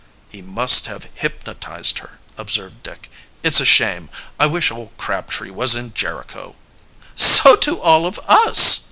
"He must have hypnotized her," observed, Dick. "It's a shame! I wish old Crabtree was in Jericho!" "So do all of us!"